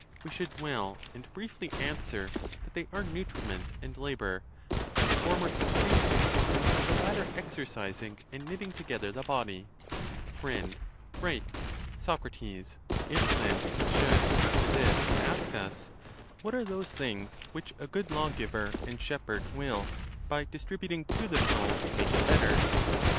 we should well and briefly answer, that they are nutriment and labour, by the former increasing, and by the latter exercising and knitting together the body. Fr, Right. Soc. If then he should after this ask us— What are those things which a good law giver and shepherd will, by dis tributing to the soul, make it better